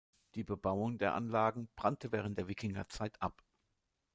Die Bebauung der Anlagen brannte während der Wikingerzeit ab.